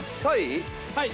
はい。